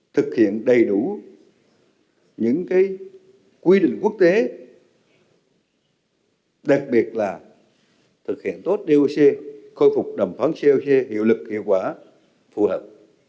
thực hiện đầy đủ những quy định quốc tế đặc biệt là thực hiện tốt doc khôi phục đàm phán coc hiệu lực hiệu quả phù hợp